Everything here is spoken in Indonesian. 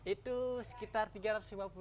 itu sekitar tiga ratus lima puluh